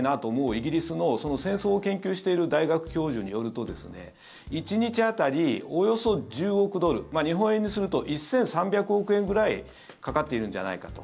イギリスの、戦争を研究している大学教授によるとですね１日当たりおよそ１０億ドル日本円にすると１３００億円くらいかかっているんじゃないかと。